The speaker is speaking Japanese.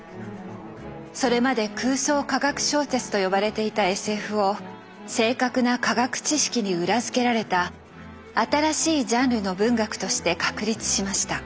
それまで「空想科学小説」と呼ばれていたＳＦを正確な科学知識に裏付けられた新しいジャンルの文学として確立しました。